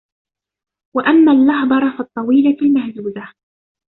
وَأَمَّا اللَّهْبَرَةُ فَالطَّوِيلَةُ الْمَهْزُولَةُ